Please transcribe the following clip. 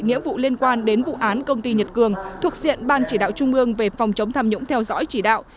nghĩa vụ liên quan đến vụ án công ty nhật cường thuộc diện ban chỉ đạo trung ương về phòng chống tham nhũng theo dõi chỉ đạo